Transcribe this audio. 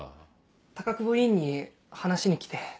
高窪医院に話しに来て。